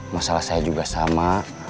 masalah saya juga sama